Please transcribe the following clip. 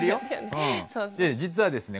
実はですね